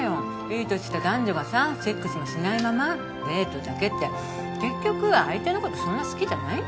いい年した男女がさセックスもしないままデートだけって結局は相手のことそんな好きじゃないんだよ。